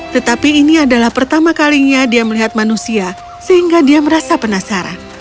tetapi ini adalah pertama kalinya dia melihat manusia sehingga dia merasa penasaran